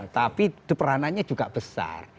tapi peranannya juga besar